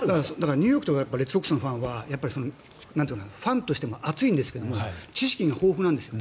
ニューヨークとかレッドソックスのファンはファンとしても熱いんですけど知識が豊富なんです。